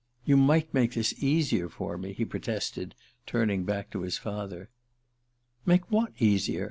"You might make this easier for me," he protested, turning back to his father. "Make what easier?